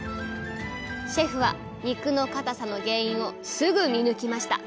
シェフは肉のかたさの原因をすぐ見抜きました。